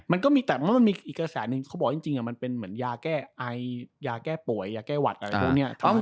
มันก็มีแต่เมื่อมันมีอีกกระแสหนึ่งเขาบอกว่าจริงมันเป็นเหมือนยาแก้ไอยาแก้ป่วยยาแก้หวัดอะไรพวกนี้